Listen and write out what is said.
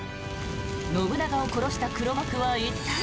信長を殺した黒幕は一体？